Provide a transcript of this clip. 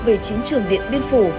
về chiến trường điện biên phủ